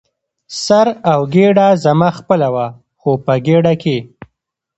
سر او ګېډه زما خپله وه، خو په ګېډه کې.